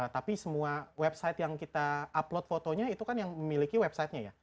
tapi semua website yang kita upload fotonya itu kan yang memiliki websitenya ya